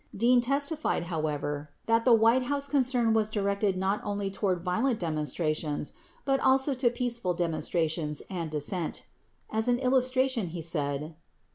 43 Dean testified, however, that the White House concern was directed not only toward violent demonstrations, but also to peaceful demon strations and dissent. As an illustration he said